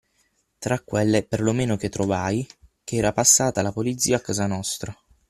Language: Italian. tra quelle per lo meno che trovai, ché era passata la Polizia a casa nostra.